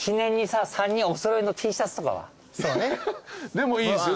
でもいいですよ